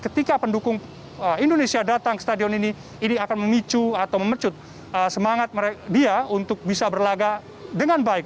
ketika pendukung indonesia datang ke stadion ini ini akan memicu atau memecut semangat dia untuk bisa berlaga dengan baik